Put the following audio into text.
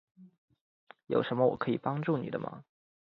有什么我可以帮助你的吗？